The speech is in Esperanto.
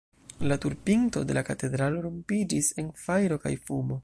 La tur-pinto de la katedralo rompiĝis en fajro kaj fumo.